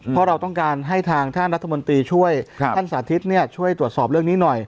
เพราะเราต้องการให้ทางท่านรัฐมนตรีช่วยท่านสาธิตช่วยตรวจสอบเรื่องนี้หน่อย